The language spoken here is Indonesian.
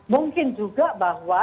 mungkin juga bahwa